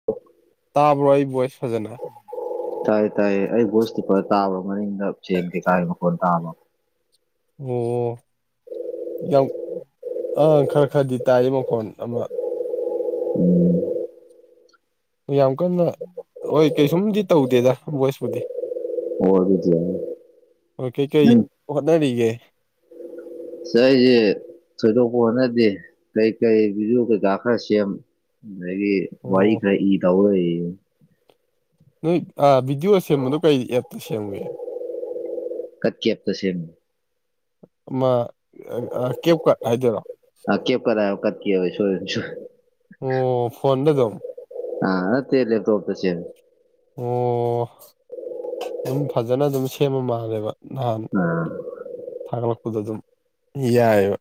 [inaudible] ꯇꯕꯣꯏ voice ꯐꯖꯅ ꯇꯥꯏ ꯇꯥꯏꯌꯦ ꯑꯩ ꯕꯣꯁꯇꯨ ꯄꯨꯔ ꯇꯥꯕ꯭ꯔꯥ ꯃꯅꯤꯡꯗ ꯆꯦꯟ ꯀꯩꯀꯥꯒꯤ ꯃꯈꯣꯟꯜ ꯇꯥꯕ ꯑꯣ ꯌꯥꯝ ꯑꯪ ꯈꯔ ꯈꯔꯗꯤ ꯇꯥꯏ ꯃꯈꯣꯟ ꯑꯃ [inaudible] ꯌꯥꯝ ꯀꯟꯅ ꯍꯣꯏ ꯀꯩꯁꯨꯝꯗꯤ ꯇꯧꯗꯦꯗ ꯚꯣꯏꯁꯄꯨꯗꯤ ꯑꯣ ꯑꯗꯨꯗꯤ ꯍꯣꯏ ꯀꯩꯀꯩ ꯎꯝ ꯍꯣꯠꯅꯔꯤꯒꯦ ꯁ ꯑꯩꯁꯦ ꯊꯣꯏꯗꯣꯛꯄ ꯍꯣꯠꯅꯗꯦ ꯀꯩ ꯀꯩ ꯕꯤꯖꯨ ꯀꯩꯀꯥ ꯈꯔ ꯁꯦꯝ ꯒꯤ ꯋꯥꯏ ꯑꯣ ꯀ ꯏ ꯇꯧꯗ ꯅꯣꯏ ꯚꯤꯗꯤꯑꯣ ꯁꯦꯝꯕꯗꯣ ꯀꯩ ꯑꯦꯞꯇ ꯁꯦꯝꯒꯦ ꯀꯛꯀꯤ ꯑꯇꯁꯤ ꯑꯃ ꯀꯦꯞꯀꯠ ꯍꯥꯏꯗꯣꯢꯔꯣ ꯀꯦꯞ ꯀꯠ ꯍꯥꯢꯕ ꯀꯠ ꯑꯣꯢ ꯁꯣꯢ ꯁꯣꯏꯔꯦ ꯑꯣ ꯐꯣꯟꯗ ꯑꯗꯨꯝ ꯑ ꯅꯠꯇꯦ ꯂꯦꯞꯇꯣꯇ ꯁꯦꯃꯤ ꯑꯣ ꯑꯗꯨꯝ ꯐꯖꯅ ꯑꯗꯨꯝ ꯁꯦꯝꯃ ꯃꯥꯜꯂꯦꯕ ꯅꯍꯥꯟ ꯎꯝ ꯊꯥꯒꯠꯂꯛꯄꯗꯣ ꯑꯗꯨꯝ ꯌꯥꯏꯑꯕ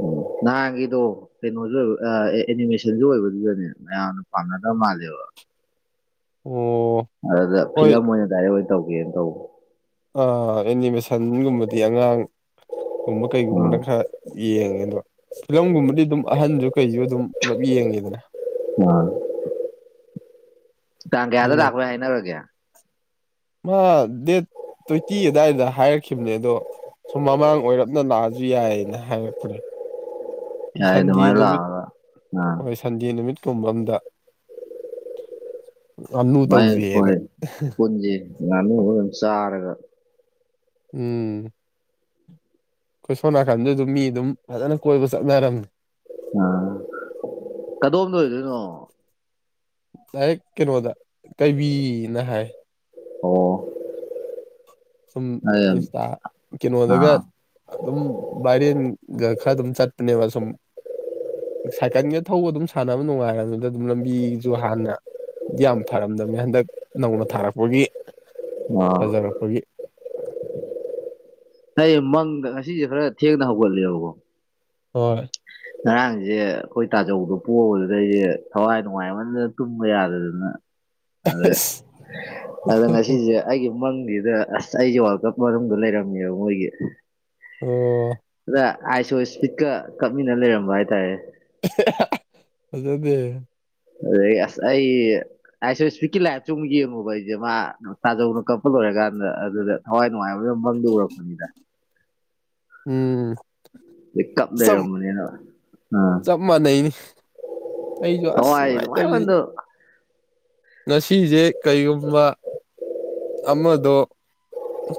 ꯎꯝ ꯅꯍꯥꯟꯒꯤꯗꯣ ꯀꯩꯅꯣꯁꯨ ꯑꯣꯏꯕ ꯑꯦꯅꯤꯃꯦꯁꯟꯁꯨ ꯑꯣꯏꯕꯗꯨꯗꯅꯦ ꯃꯌꯥꯝꯅ ꯄꯥꯝꯅꯗꯕ ꯃꯥꯜꯂꯦꯕ ꯑꯣ ꯑꯗꯨꯗ ꯍꯣꯏ ꯐꯤꯂꯝ ꯑꯣꯏꯅ ꯗꯥꯏꯔꯦꯛ ꯑꯣꯏꯅ ꯇꯧꯒꯦꯅ ꯇꯧꯕ ꯑꯥ ꯑꯦꯅꯤꯃꯦꯁꯟꯒꯨꯝꯕꯗꯤ ꯑꯉꯥꯡꯒꯨꯝꯕ ꯑꯥ ꯀꯩꯒꯨꯝꯕꯅ ꯈꯔ ꯌꯦꯡꯉꯦ ꯑꯗꯣ ꯐꯤꯂꯝꯒꯨꯝꯕꯗꯤ ꯑꯗꯨꯝ ꯑꯍꯟꯁꯨ ꯀꯩꯁꯨ ꯑꯗꯨꯝ ꯄꯨꯂꯞ ꯌꯦꯡꯉꯤꯗꯅ ꯍꯣꯢ ꯇꯥꯡ ꯀꯌꯥꯗ ꯑꯗꯨꯅ ꯂꯥꯛꯄꯩ ꯍꯥꯏꯅꯔꯒꯦ ꯃꯥ ꯗꯦꯠ ꯇ꯭ꯋꯦꯟꯇꯤ ꯑꯗꯨꯋꯥꯏꯗ ꯍꯥꯏꯔꯛꯈꯤꯕꯅꯦ ꯑꯗꯣ ꯁꯨꯝ ꯃꯃꯥꯡ ꯑꯣꯏꯔꯞꯅ ꯂꯥꯛꯑꯁꯨ ꯌꯥꯏꯌꯦꯅ ꯍꯥꯏꯔꯛꯄꯅꯦ ꯌꯥꯏ ꯁꯟꯗꯦ ꯑꯗꯨꯃꯥꯏꯅ ꯅꯨꯃꯤꯠ ꯂꯥꯛꯑꯒ ꯑꯥ ꯍꯣꯏ ꯁꯟꯗꯦ ꯅꯨꯃꯤꯠꯀꯨꯝꯕ ꯑꯝꯗ ꯉꯥꯅꯨ ꯃꯥꯏ ꯇꯧꯁꯦꯅ ꯍꯣꯏ ꯄꯨꯟꯁꯤ ꯉꯥꯅꯨꯔ ꯀꯩꯅꯣꯝ ꯆꯥꯔꯒ ꯎꯝ ꯑꯈꯣꯏ ꯁꯣꯝ ꯅꯥꯀꯟꯗ ꯑꯗꯨꯝ ꯃꯤ ꯑꯗꯨꯝ ꯐꯖꯅ ꯀꯣꯏꯕ ꯆꯠꯅꯔꯝꯃꯤ ꯑꯥ ꯀꯗꯣꯝꯗ ꯑꯣꯏꯗꯣꯏꯅꯣ ꯗꯥꯢꯔꯦꯛꯇꯥꯔꯦ ꯀꯩꯅꯣꯗ ꯀꯩꯕꯤꯅ ꯍꯥꯏ ꯑꯣ ꯁꯨꯝ ꯑꯩ ꯏꯟꯁꯇꯥ ꯀꯩꯅꯣꯗꯒ ꯑꯥ ꯑꯗꯨꯝ ꯚꯥꯏꯔꯦꯟꯒ ꯈꯔ ꯑꯗꯨꯝ ꯆꯠꯄꯅꯦꯕ ꯁꯨꯝ ꯁꯥꯏꯀꯜꯒ ꯊꯧꯕ ꯑꯗꯨꯝ ꯁꯥꯟꯅꯕ ꯅꯨꯡꯉꯥꯏꯔꯝꯅꯤꯗ ꯑꯗꯨꯝ ꯂꯝꯕꯤꯁꯨ ꯍꯥꯟꯅ ꯌꯥꯝ ꯐꯔꯝꯗꯝꯅꯤ ꯍꯟꯗꯛ ꯅꯧꯅ ꯊꯥꯔꯛꯄꯒꯤ ꯑꯥ ꯐꯖꯔꯛꯄꯒꯤ ꯑꯩ ꯃꯪꯗ ꯉꯁꯤꯁꯦ ꯈꯔ ꯊꯦꯡꯅ ꯍꯧꯒꯠꯂꯦꯕꯀꯣ ꯍꯣꯏ ꯉꯔꯥꯡꯁꯦ ꯑꯩꯈꯣꯏ ꯇꯥꯖꯧꯗꯣ ꯄꯣꯕꯗꯨꯗ ꯑꯩꯁꯦ ꯊꯋꯥꯏ ꯅꯨꯡꯉꯥꯏꯃꯟꯗꯗꯅ ꯇꯨꯝꯕ ꯌꯥꯗꯗꯅ ꯑꯗꯦ ꯑꯁ ꯑꯗꯨ ꯉꯁꯤꯁꯦ ꯑꯩꯒꯤ ꯃꯪꯁꯤꯗ ꯑꯁ ꯑꯩꯁꯦ ꯋꯥꯔꯜ ꯀꯞ ꯃꯅꯨꯡꯗ ꯂꯩꯔꯝꯃꯦꯕ ꯃꯣꯏꯒꯤ ꯑꯣ ꯑꯗ ꯑꯥꯏꯁꯣ ꯏꯁꯄꯤꯠꯀ ꯀꯞꯃꯤꯟꯅ ꯂꯩꯔꯝꯕ ꯍꯥꯏꯇꯥꯔꯦ [unintelligible] ꯐꯖꯗꯦ ꯑꯗꯒꯤ ꯑꯁ ꯑꯩ ꯑꯥꯢ ꯁꯣ ꯁ꯭ꯄꯤꯠꯀꯤ ꯂꯥꯏꯐꯇꯨ ꯑꯃꯨꯛ ꯌꯦꯡꯉꯨꯕ ꯑꯩꯁꯦ ꯃꯥ ꯇꯥꯖꯧꯅ ꯀꯛꯄ ꯂꯣꯏꯔꯀꯥꯟꯗ ꯑꯗꯨꯗ ꯊꯋꯥꯏ ꯅꯨꯡꯉꯥꯏꯃꯟꯗꯗ ꯐꯪꯗ ꯎꯔꯛꯄꯅꯤꯗ ꯎꯝ ꯆꯞ ꯀꯞꯂꯩꯔꯝꯕꯅꯤ ꯍꯥꯢꯕ ꯑꯥ ꯆꯞ ꯃꯥꯟꯅꯩꯅꯤ ꯑꯩꯁꯨ ꯑꯁ ꯊꯋꯥꯢꯁꯤ ꯅꯨꯡꯉꯥꯏꯇꯕꯁꯤꯗꯤ ꯅꯨꯉꯥꯢꯃꯟꯗꯕ ꯉꯁꯤꯁꯦ ꯀꯔꯤꯒꯨꯝꯕ ꯑꯃꯗꯣ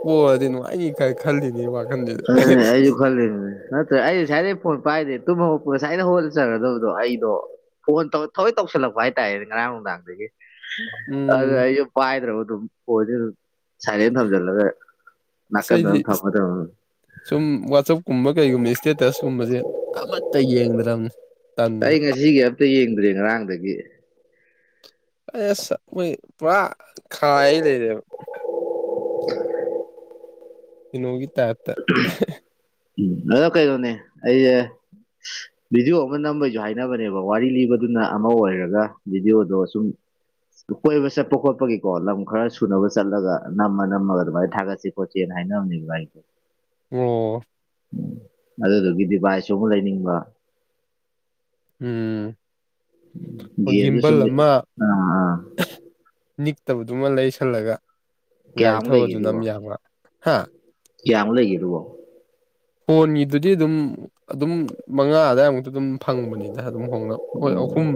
ꯄꯣꯔꯗꯤ ꯅꯨꯡꯉꯥꯏꯅꯤ ꯀꯥꯏ ꯈꯜꯂꯤꯅꯤ ꯋꯥꯈꯜ ꯑꯗꯨꯅꯦ ꯑꯩꯁꯨ ꯈꯜꯂꯤꯅꯤ ꯅꯠꯇ꯭ꯔꯦ ꯑꯩ ꯉꯁꯥꯏꯗꯩ ꯐꯣꯟ ꯄꯥꯏꯗꯦ ꯇꯨꯝ ꯍꯧꯒꯠꯄꯒ ꯉꯁꯥꯏꯅ ꯍꯧꯒꯠ ꯆꯔꯗꯕꯗꯣ ꯑꯩꯗꯣ ꯐꯣꯟ ꯊꯑꯣꯏ ꯇꯧꯁꯤꯜꯂꯛꯄ ꯍꯥꯏꯇꯥꯔꯦ ꯉꯔꯥꯡ ꯅꯨꯡꯗꯥꯡꯗꯒꯤ ꯑꯗꯨꯗ ꯎꯝ ꯑꯩꯁꯨ ꯄꯥꯏꯗ꯭ꯔꯕ ꯑꯗꯨꯝ ꯐꯣꯟꯁꯤ ꯑꯗꯨꯝ ꯁꯥꯏꯂꯦꯟ ꯊꯝꯖꯤꯜꯂꯒ ꯑꯁ ꯅꯥꯀꯟꯗ ꯑꯩꯗꯤ ꯑꯗꯨꯝ ꯊꯝꯃ ꯊꯝꯃ ꯁꯨꯝ ꯋꯥꯆꯞꯀꯨꯝꯕ ꯀꯩꯒꯨꯝꯕ ꯏꯁꯇꯦꯇꯁ ꯀꯨꯝꯕꯁꯦ ꯑꯃꯠꯇ ꯌꯦꯡꯗ꯭ꯔꯝꯅꯦ ꯑꯩ ꯉꯁꯤꯒꯤ ꯑꯝꯇ ꯌꯦꯡꯗ꯭ꯔꯦ ꯉꯔꯥꯡꯗꯒꯤ ꯑ ꯄꯨꯥ ꯈ ꯂꯩꯗꯦꯕ ꯏꯅꯣꯤ ꯇꯦꯔꯇ ꯎꯝ ꯍ ꯎꯝ ꯑꯣꯀ ꯑꯩ ꯇꯣꯉꯦ ꯑꯦ [unintelligible] ꯚꯗꯤꯑꯣ ꯑꯃ ꯅꯝꯕꯩꯁꯨ ꯍꯥꯏꯅꯕꯅꯦꯕ ꯋꯥꯔꯤ ꯂꯤꯕꯗꯨꯅ ꯑꯃ ꯑꯣꯏꯔꯒ ꯚꯤꯗꯤꯑꯣꯗꯣ ꯁꯨꯝ ꯀꯣꯏꯕ ꯆꯠꯄ ꯈꯣꯠꯄꯒꯤꯀꯣ ꯂꯝ ꯈꯔ ꯁꯨꯅꯕ ꯆꯠꯂꯒ ꯅꯝꯃ ꯅꯝꯃꯒ ꯑꯗꯨꯃꯥꯏꯅ ꯊꯥꯒꯠꯁꯤ ꯁꯣꯆꯦ ꯔꯦ ꯅꯅꯤ ꯑꯣ ꯎ ꯑꯗꯨꯗꯨꯒꯤ ꯗꯤꯚꯥꯏꯁꯁꯨ ꯑꯃꯨꯛ ꯂꯩꯅꯤꯡꯕ ꯎꯝ ꯍꯣꯏ ꯁꯃꯦ ꯒꯤꯝꯕꯜ ꯑꯃ ꯑꯥ ꯑ ꯅꯤꯛꯇꯕꯗꯨꯃ ꯂꯩꯁꯜꯂꯒ ꯒꯥꯔꯤ ꯀꯌꯥꯃꯨꯛ ꯊꯧꯑ ꯑꯗꯨꯅ ꯑꯃꯝ ꯌꯥꯕ꯭ꯔꯥ ꯍꯥ ꯀꯌꯥꯝ ꯂꯩꯒꯦꯔꯨꯑꯣꯣ ꯐꯣꯟꯒꯤꯗꯨꯗꯤ ꯑꯗꯨꯝ ꯑꯗꯨꯝ ꯃꯉꯥ ꯑꯋꯥꯏꯃꯨꯛꯇ ꯑꯗꯨꯝ ꯐꯪꯕꯅꯤ ꯑꯗꯨꯝ ꯍꯣꯡꯅꯕ ꯍꯣꯏ ꯑꯍꯨꯝ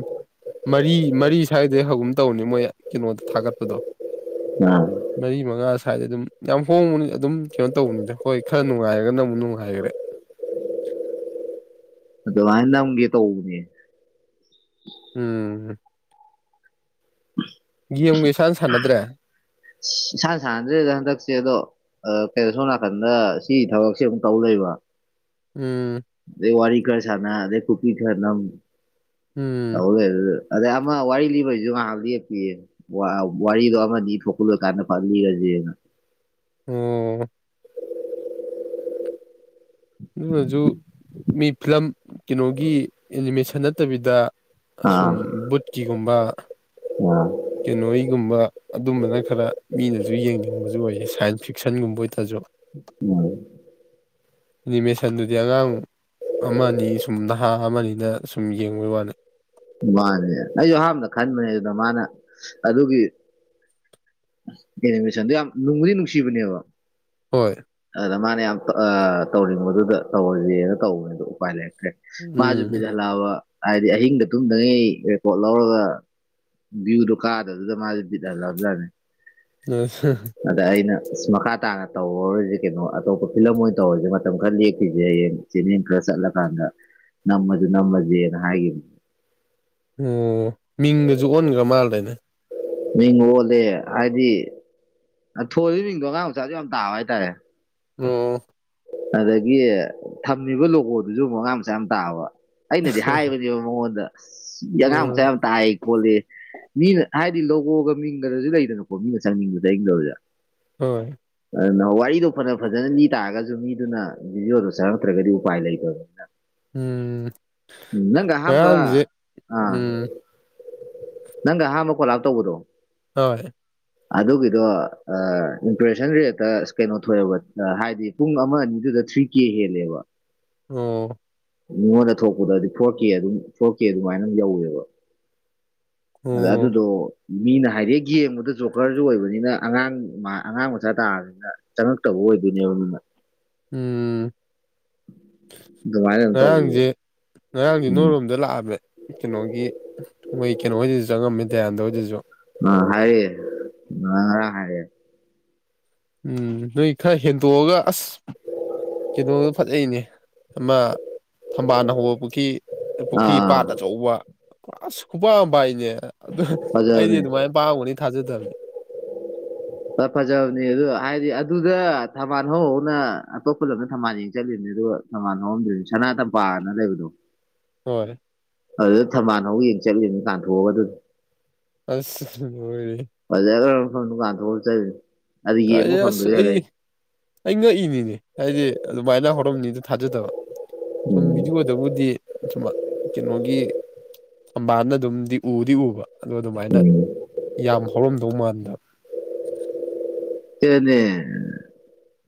ꯃꯔꯤ ꯃꯔꯤ ꯁ꯭ꯋꯥꯏꯗ ꯍꯧꯒꯨꯝ ꯇꯧꯅꯤ ꯃꯣꯏ ꯀꯩꯅꯣꯗ ꯊꯥꯒꯠꯄꯗꯣ ꯑ ꯃꯔꯤ ꯃꯉꯥ ꯁ꯭ꯋꯥꯏꯗ ꯑꯗꯨꯝ ꯌꯥꯝ ꯍꯣꯡꯕꯅꯤ ꯑꯗꯨꯝ ꯀꯩꯅꯣ ꯇꯧꯕꯅꯤꯗ ꯍꯣꯏ ꯈꯔ ꯅꯨꯡꯉꯥꯏꯔꯒꯅꯪꯕꯨꯛ ꯅꯨꯡꯉꯥꯏꯈꯔꯦ ꯑꯗꯨꯃꯥꯏꯅ ꯅꯪꯒꯤ ꯇꯧꯕꯅꯦ ꯎꯝ ꯍ ꯒꯦꯝꯒ ꯁꯥꯟꯅ ꯁꯥꯟꯅꯗ꯭ꯔꯦ ꯏꯁꯥꯟꯅ ꯁꯥꯟꯗ꯭ꯔꯦꯗ ꯍꯟꯗꯛꯁꯦ ꯑꯗꯣ ꯀꯩꯅꯣ ꯁꯣꯝ ꯅꯥꯀꯟꯗ ꯁꯤ ꯊꯕꯛꯁꯦ ꯑꯃꯨꯛ ꯇꯧ ꯂꯩꯕ ꯎꯝ ꯑꯗꯦ ꯋꯥꯔꯤ ꯈꯔ ꯁꯅ ꯑꯗꯦ ꯀꯨꯄꯤ ꯈꯔꯅꯝ ꯎꯝ ꯑꯗꯩ ꯑꯃ ꯋꯥꯔꯤ ꯂꯤꯕꯩꯁꯨ ꯉꯥꯏꯍꯥꯟ ꯂꯦꯞꯄꯤꯌꯦ [unintelligible] ꯎꯝ ꯑꯗꯨꯃꯁꯨ ꯃꯤ ꯐꯤꯂꯝ ꯀꯩꯅꯣꯒꯤ ꯑꯦꯅꯤꯃꯦꯁꯟ ꯅꯠꯇꯕꯤꯗ ꯑꯁꯨꯝ ꯑꯥ ꯕꯨꯠꯀꯤꯒꯨꯝꯕ ꯑꯥ ꯀꯩꯅꯣꯋꯤꯒꯨꯝꯕ ꯑꯗꯨꯝꯕꯅ ꯈꯔ ꯃꯤꯅꯁꯨ ꯌꯦꯡꯅꯤꯡꯕꯁꯨ ꯑꯣꯏꯌꯦ ꯁꯥꯏꯟꯁ ꯐꯤꯛꯁꯟꯒꯨꯝꯕ ꯑꯣꯏꯇꯔꯁꯨ ꯃ ꯑꯦꯅꯤꯃꯦꯁꯟꯗꯨꯗꯤ ꯑꯉꯥꯡ ꯑꯃꯅꯤ ꯁꯨꯝ ꯅꯍꯥ ꯑꯃꯅꯤꯅ ꯁꯨꯝ ꯌꯦꯡꯕꯩ ꯋꯥꯅꯤ ꯃꯥꯅꯦ ꯑꯩꯁꯨ ꯑꯍꯥꯟꯕꯗ ꯈꯟꯕꯅꯦ ꯑꯗꯨꯅ ꯃꯥꯅ ꯑꯗꯨꯒꯤ ꯑꯦꯅꯤꯃꯦꯁꯟꯗꯣ ꯌꯥꯝ ꯅꯨꯡꯕꯨꯗꯤ ꯅꯨꯡꯁꯤꯕꯅꯦꯕ ꯍꯣꯏ ꯑꯗꯨꯗ ꯃꯥꯅ ꯌꯥꯝ ꯇꯧꯔꯤꯕꯗꯨꯗ ꯇꯧꯔꯔꯤꯦꯅ ꯇꯧꯕꯅꯤꯗ ꯎꯄꯥꯏ ꯂꯩꯔꯛꯇ꯭ꯔꯦ ꯃꯥꯁꯨ ꯎꯝ ꯄꯤꯍꯜꯂꯛꯑꯕ ꯍꯥꯏꯗꯤ ꯑꯍꯤꯡꯗ ꯇꯨꯝꯗꯉꯩ ꯔꯦꯀꯣꯔꯠ ꯂꯧꯔꯒ ꯕꯤꯌꯨꯗꯣ ꯀꯥꯔ ꯑꯗꯨꯗ ꯃꯥꯁꯦ ꯤꯠ ꯂꯧꯞꯖꯥꯅꯤ ꯑ ꯑꯗ ꯑꯩꯅ ꯑ ꯃꯈꯥ ꯇꯥꯅ ꯇꯧꯔꯔꯤꯁꯦ ꯀꯩꯅꯣ ꯑꯇꯣꯞꯄ ꯐꯤꯂꯝ ꯑꯣꯏꯅ ꯇꯧꯔꯁꯦ ꯃꯇꯝ ꯈꯔ ꯂꯦꯛꯈꯤꯁꯦ ꯍꯌꯦꯡ ꯆꯦꯅꯦꯦꯝ ꯈꯔ ꯆꯠꯂꯀꯥꯟꯗ ꯅꯝꯃꯁꯨ ꯅꯝꯃꯁꯦꯅ ꯍꯥꯏꯈꯤꯕꯅꯤ ꯑꯣ ꯃꯤꯡꯗꯁꯨ ꯑꯣꯟꯈ꯭ꯔ ꯃꯥꯜꯗꯅꯦ ꯃꯤꯡ ꯑꯣꯜꯂꯦ ꯍꯥꯏꯗꯤ ꯊꯣꯏꯕ ꯃꯤꯡꯗꯣ ꯑꯉꯥꯡ ꯃꯆꯥꯁꯨ ꯌꯥꯝ ꯇꯥꯕ ꯍꯥꯏꯇꯥꯔꯦ ꯑꯣ ꯑꯗꯒꯤ ꯊꯝꯃꯤꯕ ꯂꯣꯒꯣꯗꯨꯁꯨ ꯑꯃꯨꯛ ꯑꯉꯥꯡ ꯃꯆꯥ ꯌꯥꯝ ꯇꯥꯕ ꯑꯩꯅꯗꯤ ꯍꯥꯏꯕꯅꯦꯕ ꯃꯉꯣꯟꯗ ꯑꯉꯥꯡ ꯃꯆꯥ ꯎꯝ ꯌꯥꯝ ꯇꯥꯏ ꯈꯣꯂꯦ ꯃꯤꯅ ꯍꯥꯏꯗꯤ ꯂꯒꯣꯒ ꯃꯤꯡꯒꯗꯁꯨ ꯂꯩꯗꯅꯀꯣ ꯃꯤꯅ ꯆꯪꯅꯤꯡꯕꯗ ꯆꯪꯅꯤꯡꯗꯕꯗ ꯍꯣꯏ ꯑꯗꯨꯅ ꯋꯥꯔꯤꯗꯣ ꯐꯖ ꯐꯖꯅ ꯃꯤ ꯇꯥꯔꯒꯁꯨ ꯃꯤꯗꯨꯅ ꯚꯗꯤꯑꯣꯗꯨ ꯆꯪꯉꯛꯇ꯭ꯔꯒꯗꯤ ꯎꯄꯥꯏ ꯂꯩꯇꯥꯕꯥ ꯎꯝ ꯅꯥꯡꯒ ꯑꯍꯥꯟꯕ ꯉꯔꯥꯡꯁꯦ ꯎꯝ ꯅꯪꯒꯥ ꯑꯍꯟꯕ ꯀꯣꯂꯥꯄ ꯇꯧꯕꯗꯣ ꯍꯣꯏ ꯑꯗꯨꯒꯤꯗꯣ ꯏꯝꯄ꯭ꯔꯦꯁꯟ ꯔꯦꯠꯇ ꯀꯩꯅꯣ ꯊꯣꯛꯕ ꯍꯥꯏꯗꯤ ꯄꯨꯡ ꯑꯃ ꯑꯅꯤꯗꯨꯗ ꯊ꯭ꯔꯤ ꯀꯦ ꯍꯦꯜꯂꯦꯕ ꯑꯣ ꯃꯤꯉꯣꯟꯗ ꯊꯣꯛꯄꯗꯗꯤ ꯐꯣꯔ ꯀꯦ ꯑꯗꯨꯝ ꯐꯣꯔ ꯀꯦ ꯑꯗꯨꯃꯥꯏꯅ ꯌꯧꯋꯦꯕ ꯑꯗ ꯑꯗꯨ ꯑꯣ ꯑꯗꯨꯗꯣ ꯃꯤꯅ ꯍꯥꯏꯗꯤ ꯌꯦꯡꯕꯗ ꯆꯣꯀꯔꯁꯨ ꯑꯣꯏꯕꯅꯤꯅ ꯑꯉꯥꯡ ꯑꯉꯥꯡ ꯃꯆꯥ ꯇꯥꯔꯁꯨ ꯆꯪꯉꯛꯇꯕ ꯑꯣꯏꯗꯣꯏꯅꯦꯕꯅ ꯎꯝ ꯑꯗꯨꯃꯥꯏꯅ ꯇꯧꯕꯈꯤꯕ ꯉꯔꯥꯡꯗꯤ ꯅꯣꯏꯣꯔꯣꯝꯗ ꯂꯥꯛꯑꯝꯃꯦ ꯀꯩꯅꯣꯒꯤ ꯃꯣꯏ ꯀꯩꯅꯣꯍꯣꯏꯁꯤꯁꯨ ꯆꯪꯉꯝꯃꯦ ꯗꯌꯥꯟꯗ ꯍꯣꯏꯗꯁꯨ ꯑ ꯍꯥꯔꯛꯑ ꯍꯥꯏꯔꯥꯛꯑ ꯎꯝ ꯅꯣꯏ ꯈꯔ ꯍꯦꯟꯗꯣꯛꯑꯒ ꯑꯁ ꯀꯩꯅꯣꯗꯣ ꯐꯖꯩꯅꯦ ꯑꯃ ꯊꯝꯕꯥꯜ ꯍꯧꯕ ꯄꯨꯈꯔꯤ ꯄꯨꯈ꯭ꯔꯤ ꯑꯥ ꯄꯥꯠ ꯑꯆꯧꯕ ꯄꯨꯔꯥ ꯈꯨꯄꯥꯝꯕ ꯑꯃ ꯑꯗꯨ ꯑꯩꯗꯤ ꯐꯖꯕꯅꯦ ꯑꯗꯨꯃꯥꯏꯅ [unintelligible] ꯍ ꯐꯖꯕꯅꯦ ꯑꯗꯨ ꯍꯥꯏꯗꯤ ꯑꯗꯨꯗ ꯊꯝꯕꯥꯜ ꯍꯧꯅ ꯑꯇꯣꯞꯄ ꯂꯝꯗ ꯊꯝꯕꯥꯜ ꯌꯦꯡ ꯆꯠꯂꯤꯕꯅꯦ ꯑꯗꯨꯒ ꯁꯃꯥꯟ ꯍꯧꯔꯝꯗꯣꯏꯅꯤ ꯁꯅꯥ ꯇꯝꯄꯥꯅ ꯂꯩꯕꯗꯣ ꯍꯣꯏ ꯑꯗꯨꯗ ꯊꯝꯕꯥꯥꯟ ꯍꯧꯨꯛ ꯌꯦꯡ ꯆꯠꯂꯤꯅꯤ ꯇꯥꯟꯊꯣꯛꯑꯒ ꯑꯗꯨꯗꯤ ꯑꯁ ꯍꯣꯏꯔꯤ ꯐꯖ ꯃꯐꯝ ꯅꯨꯡꯀꯥꯟ ꯊꯣꯛꯑ ꯑꯗꯨ ꯌꯦꯡꯕ ꯀꯥꯏ ꯑꯁ ꯐꯪꯗꯣꯏ ꯑꯩ ꯍꯂꯛꯏ ꯑꯩ ꯉꯛꯏꯅꯤꯅꯦ ꯍꯥꯏꯗꯤ ꯑꯗꯨꯃꯥꯏꯅ ꯍꯧꯔꯝꯅꯤꯗ ꯊꯥꯖꯗꯕ ꯁꯨꯝ ꯚꯗꯤꯑꯣ ꯑꯗꯨꯕꯨꯗꯤ ꯁꯨꯃ ꯀꯩꯅꯣꯒꯤ ꯊꯝꯕꯥꯜꯅ ꯑꯗꯨꯝꯗꯤ ꯎꯗꯤ ꯎꯕ ꯑꯗꯣ ꯑꯗꯨꯃꯥꯏꯅ ꯌꯥꯝ ꯍꯧꯔꯝꯗꯧ ꯃꯥꯟꯗꯕ ꯀꯅꯦ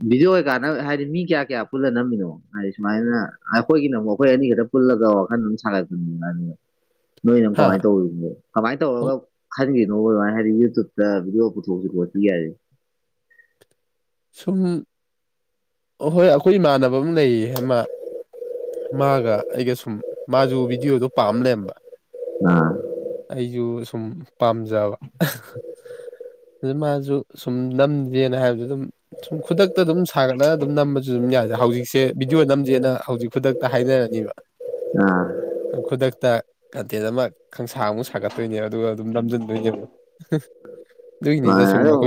ꯚꯗꯤꯑꯣ ꯑꯣꯏ ꯀꯥꯟꯅꯕ ꯍꯥꯏꯗꯤ ꯃꯤ ꯀꯌꯥ ꯀꯌꯥ ꯄꯨꯜꯂ ꯅꯝꯃꯤꯅꯣ ꯍꯥꯏꯗꯤ ꯁꯨꯃꯥꯏꯅ ꯑꯩꯈꯣꯏꯒꯤꯅ ꯑꯃꯨꯛ ꯑꯩꯈꯣꯏ ꯑꯅꯤ ꯈꯛꯇ ꯄꯨꯜꯂꯒ ꯋꯥꯈꯜ ꯑꯗꯨꯝ ꯁꯥꯒꯠꯄꯟꯅꯤꯡꯉꯅꯤ ꯅꯣꯏꯅꯝ ꯍꯥ ꯀꯃꯥꯏꯅ ꯇꯧꯔꯤꯅꯦ ꯀꯃꯥꯏꯅ ꯇꯧꯔꯒ ꯈꯟꯈꯤꯅꯣ ꯑꯗꯨꯃꯥꯏꯅ ꯍꯥꯏꯗꯤ ꯌꯨꯇꯨꯕꯇ ꯚꯗꯤꯑꯣ ꯄꯨꯊꯣꯛꯑꯁꯤ ꯈꯣꯠꯄꯤ ꯌꯥꯔꯦ ꯁꯨꯝꯍꯣꯏ ꯑꯩꯈꯣꯏ ꯏꯃꯥꯟꯅꯕ ꯑꯃ ꯂꯩꯌꯦ ꯑꯃ ꯃꯥꯒ ꯑꯩꯒ ꯁꯨꯝ ꯃꯥꯁꯨ ꯚꯤꯗꯤꯑꯣꯗꯣ ꯄꯥꯝ ꯂꯩꯔꯝꯕ [unintelligible] ꯑꯩꯁꯨ ꯁꯨꯝ ꯄꯥꯝꯖꯕ ꯑꯗꯨ ꯃꯥꯁꯨ ꯁꯨꯝ ꯅꯝꯖꯅ ꯍꯥꯏꯕꯗ ꯑꯗꯨꯝ ꯁꯨꯝ ꯈꯨꯗꯛꯇ ꯑꯗꯨꯝ ꯁꯥꯒꯠꯂꯒ ꯑꯗꯨꯝ ꯅꯝꯕꯁꯨ ꯑꯗꯨꯝ ꯌꯥꯗꯦ ꯍꯧꯖꯤꯛꯁꯦ ꯚꯤꯗꯤꯑꯣ ꯅꯝꯖꯦꯅ ꯍꯧꯖꯤꯛ ꯈꯨꯗꯛ ꯇ ꯍꯥꯏꯅꯔꯅꯦꯕ ꯑꯥ ꯈꯨꯗꯛꯇ ꯀꯟꯇꯦꯟ ꯑꯃ ꯁꯪꯁꯥ ꯑꯃꯨꯛ ꯁꯥꯒꯠꯇꯣꯏꯅꯦ ꯑꯗꯨꯒ ꯑꯗꯨꯝ ꯅꯝꯖꯟꯗꯣꯏꯅꯦꯕ ꯍꯣꯏ ꯑꯗꯣ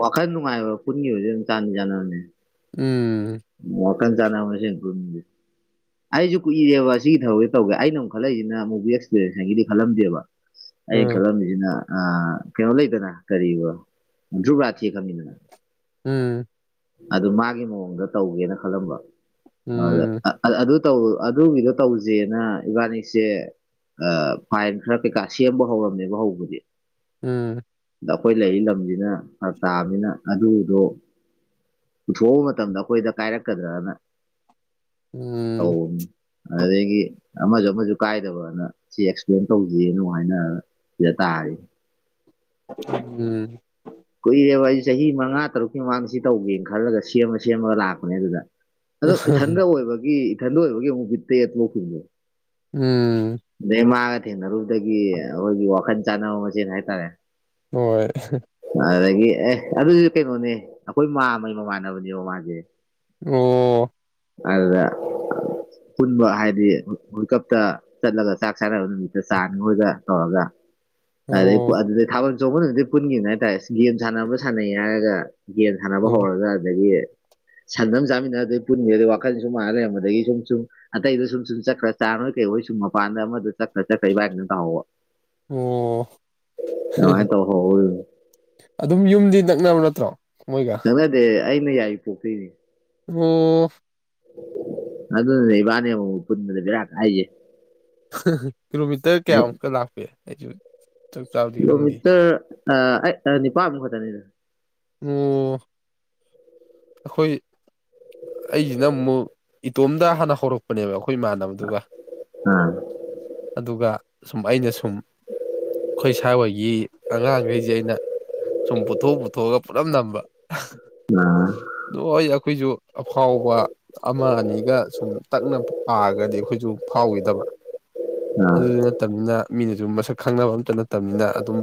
ꯋꯥꯈꯜ ꯅꯨꯡꯉꯥꯏꯕ ꯄꯨꯟꯒꯤ ꯍꯧꯖꯤꯛ ꯑꯗꯨꯝ ꯆꯥꯟꯅ ꯆꯥꯟꯅꯕꯅꯦ ꯎꯝ ꯃꯀꯟ ꯆꯂ ꯑꯃ ꯑꯩꯁꯨ ꯀꯨꯏꯔꯦꯕ ꯁꯤꯒꯤ ꯊꯕꯛꯁꯦ ꯇꯧꯒꯦ ꯑꯩꯅ ꯑꯃꯨꯛꯜꯂꯛꯁꯤꯅꯨꯛ ꯑꯦꯛꯁꯄꯤꯔꯦꯟꯁꯒꯤꯗꯤ ꯈꯜꯂꯝꯗꯦꯕ ꯑꯩ ꯎꯝ ꯀꯂꯣ ꯑꯗꯨꯅ ꯀꯩꯅꯣ ꯂꯩꯗꯅ ꯀꯟꯊ꯭ꯔꯨꯒ꯭ꯔꯥꯊꯤ ꯈꯪꯅꯤꯗꯅ ꯎꯝ ꯑꯗꯨ ꯃꯥꯒꯤ ꯃꯑꯣꯡꯗ ꯇꯧꯒꯦꯅ ꯈꯜꯂꯝꯕ ꯎꯝ ꯑꯗ ꯑꯗꯨ ꯑꯗꯨꯒꯤꯗꯣ ꯇꯧꯖꯦꯅ ꯏꯕꯥꯅꯤꯁꯦ ꯐꯥꯏꯟ ꯈꯔ ꯀꯩꯀꯥ ꯁꯦꯝꯕ ꯍꯧꯔꯝꯃꯦꯕ ꯍꯧꯕꯗꯤ ꯎꯝ ꯑꯗ ꯑꯩꯈꯣꯏ ꯂꯩꯔꯤ ꯂꯝꯁꯤꯅ ꯇꯥꯕꯅꯤꯅ ꯑꯗꯨꯗꯣ ꯄꯨꯊꯣꯛꯑꯕ ꯃꯇꯝꯗ ꯑꯩꯈꯣꯏꯗ ꯀꯥꯏꯔꯛꯀꯗ꯭ꯔꯅ ꯎꯝ ꯑꯧ ꯑꯗꯨꯗꯒꯤ ꯑꯃꯁꯨ ꯑꯃꯁꯨ ꯀꯥꯏꯗꯕꯅ ꯁꯤ ꯑꯦꯛꯁꯄ꯭ꯂꯦꯟ ꯇꯧꯁꯤꯅ ꯑꯃ ꯍꯥꯏꯅꯔꯒ [unintelligible] ꯎꯝ ꯀꯨꯏꯔꯦꯕ ꯑꯩ ꯆꯍꯤ ꯃꯉꯥ ꯇꯔꯨꯛꯀꯤ ꯃꯃꯥꯡꯗ ꯁꯤ ꯇꯧꯒꯦꯅ ꯈꯜꯂꯒ ꯁꯦꯝꯃ ꯁꯦꯝꯃꯒ ꯂꯥꯛꯄꯅꯦ ꯑꯗꯨꯗ ꯑꯗꯣ ꯏꯊꯟꯗ ꯑꯣꯏꯕꯒꯤ ꯏꯊꯟꯗ ꯑꯣꯏꯕꯒꯤ ꯑꯃꯨꯛ ꯄꯤ ꯇꯦ ꯄꯣꯛꯈꯤꯕꯁꯦ ꯎꯝ ꯑꯗꯩ ꯃꯥꯒ ꯊꯦꯡꯅꯔꯨꯕꯗꯒꯤ ꯑꯩꯈꯣꯏꯒꯤ ꯋꯥꯈꯜ ꯆꯥꯟꯅꯕ ꯃꯆꯦꯜ ꯍꯥꯏꯇꯥꯔꯦ ꯍꯣꯏ ꯑꯗꯒꯤ ꯑꯦ ꯑꯗꯨꯗꯤ ꯀꯩꯅꯣꯅꯦ ꯑꯩꯈꯣꯏ ꯃꯥ ꯑꯃꯒꯤꯩ ꯃꯃꯥꯟꯅꯕꯅꯦꯕ ꯃꯥꯁꯦ ꯑꯣ ꯑꯗꯨꯗ ꯄꯨꯟꯕ ꯍꯥꯏꯗꯤ ꯋꯥ ꯀꯞꯇ ꯆꯠꯂꯒ ꯆꯥꯛ ꯁꯥꯟꯅꯕ ꯅꯨꯃꯤꯠꯇ ꯆꯥꯅꯤꯉꯣꯏꯒ ꯇꯧꯔꯒ ꯑꯗꯩ ꯑꯣ ꯑꯗꯨꯗꯩ ꯊꯥꯕꯜ ꯆꯣꯡꯕꯗꯨꯗꯤ ꯄꯨꯟꯈꯤꯕꯅ ꯍꯥꯏꯇꯥꯔꯦ ꯒꯦꯝ ꯁꯥꯟꯅꯕ ꯁꯥꯟꯅꯩ ꯍꯥꯏꯔꯒ ꯒꯦꯝ ꯁꯥꯟꯅꯕ ꯑꯣ ꯍꯧꯔꯒ ꯑꯗꯒꯤ ꯁꯟꯗꯝ ꯆꯥꯃꯤꯟꯅꯗꯩ ꯄꯨꯟꯟꯅꯦꯗꯗꯤ ꯋꯥꯈꯜ ꯁꯨꯝ ꯃꯥꯥꯟꯅ ꯂꯩꯔꯝꯕꯗꯒꯤ ꯁꯨꯝ ꯁꯨꯝ ꯑꯇꯩꯗꯣ ꯁꯨꯝ ꯁꯨꯝ ꯆꯠꯈ꯭ꯔ ꯆꯥꯔꯣꯏ ꯀꯩ ꯍꯣꯏ ꯁꯨꯝ ꯃꯄꯥꯟꯗ ꯑꯃꯗ ꯆꯠ꯭ꯔ ꯆꯠꯈ꯭ꯔꯩ ꯕꯥꯏꯅ ꯇꯥꯎꯍꯕ ꯑꯣ ꯑꯗꯨꯃꯥꯏꯅ ꯇꯧꯍꯧꯕꯗꯨꯅꯤ ꯑꯗꯨꯝ ꯌꯨꯝꯗꯤ ꯅꯛꯅꯕ ꯅꯠꯇ꯭ꯔꯣ ꯃꯣꯏꯒ ꯅꯇꯦ ꯑꯩꯅ ꯌꯥꯏ ꯄꯣꯛꯇꯣꯏꯅꯦ ꯑꯣ ꯑꯗꯨꯗ ꯏꯕꯅꯦ ꯄꯨꯨꯟꯅꯗꯕꯤꯔꯥ ꯀꯥꯏꯁꯦ ꯀꯤꯂꯣꯃꯤꯇꯔ ꯑꯩ ꯀꯌꯥꯃꯨꯛꯀ ꯂꯥꯛꯄꯦ ꯑꯩꯁꯨ ꯆꯞ ꯆꯥꯕꯗꯤ ꯈꯪꯗꯦ ꯀꯤꯂꯣꯃꯤꯇꯔ ꯅꯤꯄꯥꯃꯨꯛ ꯈꯛꯇꯅꯤꯗ ꯑꯣ ꯑꯩꯈꯣꯏ ꯑꯩꯁꯤꯅ ꯑꯃꯨꯛ ꯏꯇꯣꯝꯗ ꯍꯥꯟꯅ ꯍꯧꯔꯛꯄꯅꯦꯕ ꯑꯩꯈꯣꯏ ꯏꯃꯥꯟꯅꯕꯗꯨꯒ ꯑꯥ ꯑꯗꯨꯒ ꯁꯨꯝ ꯑꯩꯅ ꯁꯨꯝ ꯑꯩꯈꯣꯏ ꯏꯁ ꯍꯣꯏꯒꯤ ꯑꯉꯥꯡꯈꯩꯁꯦ ꯑꯩꯅ ꯁꯨꯝ ꯄꯨꯊꯣꯛ ꯄꯨꯊꯣꯛꯑꯒ ꯄꯨꯂꯝ ꯅꯝꯕ ꯑ ꯂꯣꯏ ꯑꯩꯈꯣꯏꯁꯨ ꯑꯐꯥꯎꯕ ꯑꯃ ꯑꯅꯤꯒ ꯁꯨꯝ ꯇꯛꯅ ꯄꯥꯔꯒꯗꯤ ꯑꯩꯈꯣꯏꯁꯨ ꯐꯥꯎꯈꯤꯗꯕ ꯑꯥ ꯑꯗꯨꯗꯨ ꯅꯠꯇꯕꯅꯤꯅ ꯃꯤꯅꯁꯨ ꯃꯁꯛ ꯈꯪꯅꯕ ꯑꯝꯇ ꯅꯠꯇꯕꯅꯤꯅ ꯑꯗꯨꯝ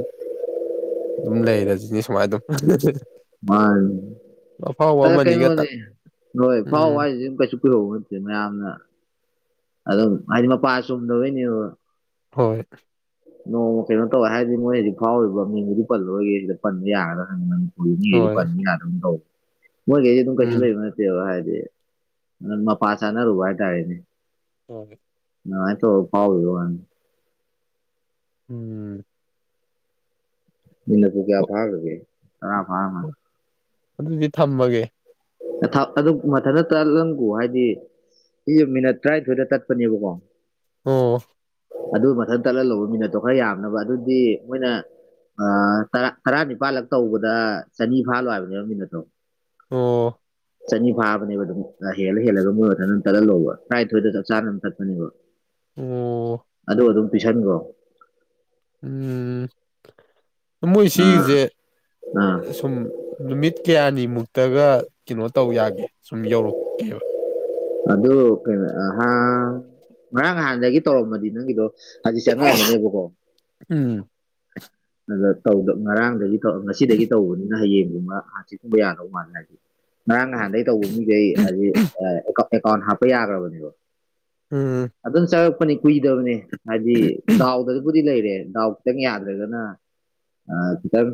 ꯑꯗꯨꯝ ꯂꯩꯔꯁꯤꯅꯤ ꯁꯨꯃꯥꯏꯅ ꯑꯗꯨꯝ ꯃꯥ ꯑꯐꯥꯎꯕ ꯑꯗ ꯑꯃꯅꯤꯒ ꯇꯛ ꯀꯩꯅꯣꯅꯦ ꯍꯣꯏ ꯐꯥꯎ ꯎꯝ ꯍꯥꯏꯁꯤ ꯀꯩꯁꯨ ꯎꯣ ꯅꯠꯇꯦ ꯃꯌꯥꯝꯅ ꯑꯗꯣ ꯑꯗꯤ ꯃ ꯄꯥꯁ ꯎꯨꯝꯗꯧꯅꯤ ꯍꯣꯏ ꯅꯣꯡꯃ ꯀꯩꯅꯣ ꯇꯧꯋꯦ ꯍꯥꯏꯔꯗꯤ ꯃꯣꯏ ꯍꯧꯖꯤꯛ ꯐꯥꯎꯔꯤꯕ ꯃꯤꯕꯨꯗꯤ ꯄꯜꯂꯔꯣꯏꯒꯦ ꯁꯤꯗ ꯄꯟꯕ ꯌꯥꯒ꯭ꯔꯥ ꯍꯪꯕ ꯅꯤ ꯍꯣꯏ ꯄꯟꯅꯤ ꯌꯥ ꯇꯧꯕ ꯃꯣꯏꯈꯩꯁꯦ ꯑꯗꯨꯝ ꯀꯩꯁꯨ ꯎꯝ ꯂꯩꯕ ꯍꯥꯏꯗꯤ ꯃ ꯄꯁꯅꯔ ꯎꯕꯔ ꯇꯥꯅꯤ ꯎ ꯅꯥꯏ ꯇꯣ ꯄꯥꯎꯕꯅꯤ ꯎꯝ ꯑꯣ ꯏꯟꯅꯁꯨꯨꯒꯌꯥ ꯐꯒꯦ ꯑꯔ ꯐ ꯑꯗꯨꯗꯤ ꯊꯝꯃꯒꯦ ꯑꯗꯨ ꯃꯊꯟꯇ ꯇꯠꯂꯪꯒ ꯍꯥꯏꯗꯤ ꯃꯤꯅꯠ ꯇꯔꯥꯅꯤꯊꯣꯏꯗ ꯇꯠꯄꯅꯦꯕꯀꯣ ꯎꯝ ꯑꯗꯨ ꯃꯊꯪ ꯇꯠꯂꯒ ꯂꯧꯕ ꯃꯤꯅꯠꯇꯣ ꯈꯔ ꯌꯥꯝꯅꯕ ꯑꯗꯨꯗꯤ ꯃꯣꯏꯅ ꯇꯔꯥ ꯅꯤꯄꯥꯜꯂꯛ ꯇꯧꯕꯗ ꯆꯅꯤ ꯐꯥꯂꯣꯏ ꯍꯥꯏꯕꯅꯦꯕ ꯃꯤꯅꯠꯇꯣ ꯑꯣ ꯆꯅꯤ ꯐꯥꯕꯅꯦꯕ ꯑꯗꯨꯝ ꯍꯦꯜꯂ ꯍꯦꯜꯂꯒ ꯃꯣꯏ ꯃꯊꯟ ꯑꯗꯨꯝ ꯇꯠꯍꯜꯂꯣꯕ ꯇꯔꯥꯅꯤꯊꯣꯏꯗ ꯆꯞ ꯆꯥꯅ ꯑꯗꯨ ꯇꯠꯄꯅꯦꯕ ꯑꯣ ꯑꯗꯨ ꯑꯗꯨꯝ ꯄꯤꯁꯟꯈꯣ ꯃꯣꯏ ꯑꯥ ꯁꯤꯒꯤꯁꯦ ꯑꯥ ꯁꯨꯝ ꯅꯨꯃꯤꯠ ꯀꯌꯥꯅꯤ ꯃꯨꯛꯇꯒ ꯀꯩꯅꯣ ꯇꯧ ꯌꯥꯒꯦ ꯁꯨꯝ ꯌꯧꯔꯛꯀꯦꯕ ꯑꯗꯨ ꯀꯩꯅꯣ ꯉꯔꯥꯡ ꯅꯍꯥꯟꯗꯒꯤ ꯇꯧꯔꯝꯃꯗꯤ ꯅꯪꯒꯤꯗꯣ ꯍꯥꯏꯗꯤꯁꯪꯉꯛꯑ ꯑꯃꯅꯦꯕꯀꯣ ꯎꯝ ꯉꯔꯥꯡꯗꯒꯤ ꯉꯁꯤꯗꯒꯤ ꯇꯧꯕꯅꯤꯅ ꯍꯌꯦꯡꯗꯨꯃ ꯑꯥꯟ ꯆꯀꯨꯝꯕ ꯌꯥꯗꯧ ꯃꯥꯜꯂꯦ ꯍꯥꯏꯗꯤꯦ ꯉꯔꯥꯡ ꯅꯍꯥꯟꯗꯒꯤꯩ ꯇꯧꯕ ꯃꯤꯁꯦ ꯍꯥꯏ ꯑꯦꯀꯥꯎꯟ ꯍꯥꯞꯄ ꯌꯥꯈ꯭ꯔꯕꯅꯦꯕ ꯎꯝ ꯑꯗꯨꯝ ꯆꯪꯉꯛꯄꯅꯤ ꯀꯨꯏꯗꯕꯅꯤ ꯍꯥꯏꯗꯤ ꯗꯥꯎꯗꯕꯨꯗꯤ ꯂꯩꯔꯦ ꯗꯥꯎ ꯈꯤꯇꯪ ꯌꯥꯗ꯭ꯔꯒꯅ ꯑ ꯈꯤꯇꯪ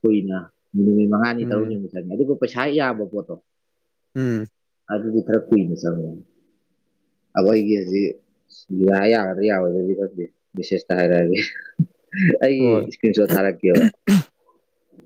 ꯀꯨꯏꯅ ꯅꯨꯃꯤꯠ ꯃꯉꯥꯅꯤ ꯎꯝ ꯇꯔꯨꯅꯤꯃ ꯑꯗꯨꯒ ꯄꯩꯁꯥ ꯌꯥꯕ ꯄꯣꯠꯇꯣ ꯎꯝ ꯑꯗꯨꯗꯤ ꯊꯔ ꯀꯏꯒ ꯆ ꯑꯕ ꯑꯩꯒꯤꯖꯤ ꯌꯥ ꯌꯥꯒꯗ꯭ꯔꯥ ꯌꯥꯒꯗ꯭ꯔꯗꯤ ꯈꯗꯤ ꯕꯤꯁꯦꯁ ꯇ ꯍꯥꯏꯔꯗꯤ ꯑꯩꯒꯤ ꯍꯣꯏ ꯏꯁꯀ꯭ꯔꯤꯟ ꯁꯣꯠ ꯊꯥꯔꯛꯀꯦꯕ